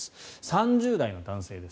３０代の男性です。